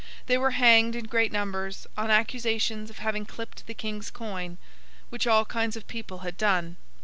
They were hanged in great numbers, on accusations of having clipped the King's coin—which all kinds of people had done.